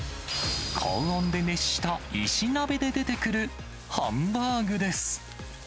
高温で熱した石鍋で出てくるハンバーグです。